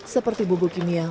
seperti buku kimia